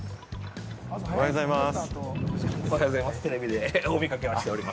おはようございます。